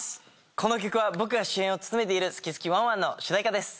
この曲は僕が主演を務めている『すきすきワンワン！』の主題歌です。